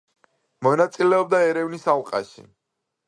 მონაწილეობდა ერევნის ალყაში.